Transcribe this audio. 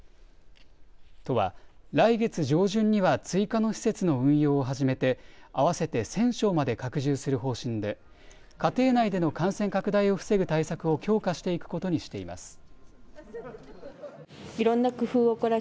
都は来月上旬には追加の施設の運用を始めて合わせて１０００床まで拡充する方針で家庭内での感染拡大を防ぐ対策を強化していくことにしています。